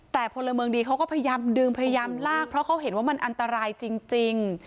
แต่พลเมืองดีเขาก็พยายามดึงพยายามลากเพราะเขาเห็นว่ามันอันตรายจริง